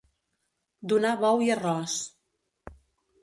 Donar bou i arròs.